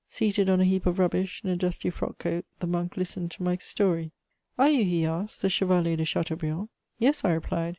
Seated on a heap of rubbish, in a dusty frock coat, the monk listened to my story: "Are you," he asked, "the Chevalier de Chateaubriand?" "Yes," I replied.